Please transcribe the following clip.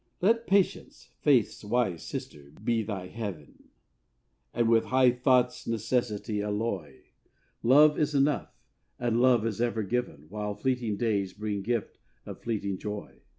Let patience, faith's wise sister, be thy heaven, And with high thoughts necessity alloy. Love is enough, and love is ever given, While fleeting days bring gift of fleeting joy.